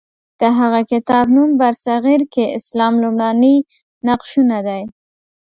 د هغه کتاب نوم برصغیر کې اسلام لومړني نقشونه دی.